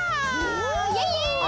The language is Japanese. イエイイエイ！